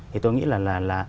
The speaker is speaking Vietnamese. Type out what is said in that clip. thì tôi nghĩ là